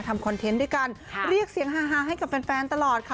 คอนเทนต์ด้วยกันเรียกเสียงฮาให้กับแฟนแฟนตลอดค่ะ